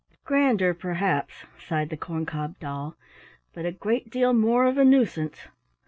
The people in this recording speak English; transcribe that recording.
"Grander, perhaps," sighed the corn cob doll, "but a great deal more of a nuisance.